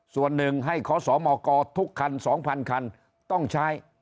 ส่วนหนึ่งให้ขอสมกทุกคัน๒๐๐คันต้องใช้